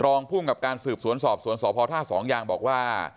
รองภูมิกับการสืบสวนสอบสวนสพท่าสองยางบอกว่า